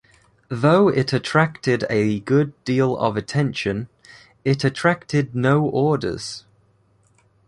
Though it attracted a good deal of attention, it attracted no orders.